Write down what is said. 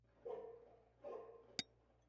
绪林克斯。